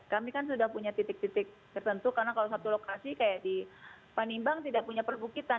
kami kan sudah punya titik titik tertentu karena kalau satu lokasi kayak di panimbang tidak punya perbukitan